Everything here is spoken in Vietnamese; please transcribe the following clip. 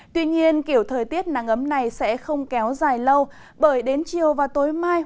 tuy nhiên kiểu thời tiết nắng ấm này sẽ không kéo dài lâu bởi đến chiều và tối mai